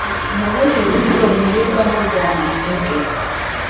Mu buhe buryo mwirirw murwana mwebwe